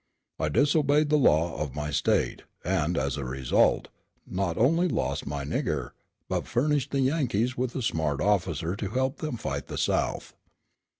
I disobeyed the law of my state and, as a result, not only lost my nigger, but furnished the Yankees with a smart officer to help them fight the South.